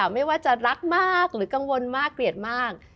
ไม่ว่าจะรักมากหรือกังวลมากเกลียดมาก